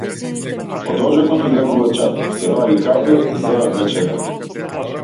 Од оџакот излегува чад, се вари кафе за вечера.